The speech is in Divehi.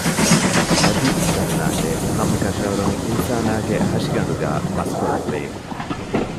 އަދި ދަންނާށޭ ހަމަކަށަވަރުން އިންސާނާގެ ހަށިގަނޑުގައި މަސްކޮޅެއް ވޭ